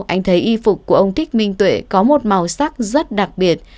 anh thấy y phục của ông thích minh tuệ có một màu sắc rất đặc biệt